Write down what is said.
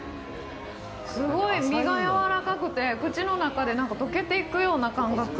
すごい身がやわらかくて口の中でなんか溶けていくような感覚